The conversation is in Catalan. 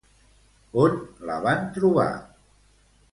On la van trobar?